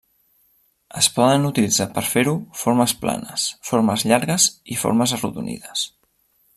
Es poden utilitzar per fer-ho formes planes, formes llargues i formes arrodonides.